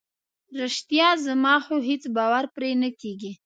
رښتیا؟ زما خو هیڅ باور پرې نه کیږي.